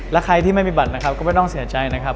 และใครที่ไม่มีบัตรนะครับก็ไม่ต้องเสียใจนะครับ